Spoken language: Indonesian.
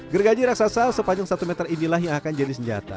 gergaji raksasa sepanjang satu meter inilah yang akan jadi senjata